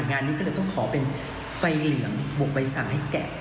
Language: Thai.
งานนี้ก็จะต้องขอเป็นไฟเหลืองบอกให้แก้มานิดนึง